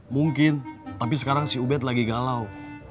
mungkin tapi sekarang si ubed lagi galau